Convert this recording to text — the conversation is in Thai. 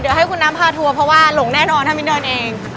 เดี๋ยวให้คุณน้ำพาทัวร์เพราะว่าหลงแน่นอนถ้ามิ้นเดินเอง